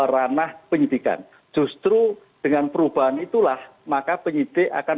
ranah penyitikan justru dengan perubahan itulah maka penyitik akan